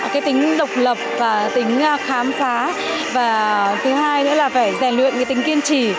cái tính độc lập và tính khám phá và thứ hai nữa là phải rèn luyện cái tính kiên trì